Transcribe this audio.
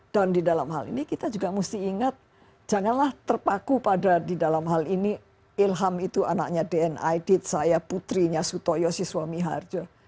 dan di dalam hal ini kita juga mesti ingat janganlah terpaku pada di dalam hal ini ilham itu anaknya dn aidit saya putrinya sutoyo si suami harjo